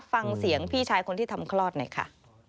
ฟังเสียงพี่ชายคนที่ทำคลอดหน่อยค่ะ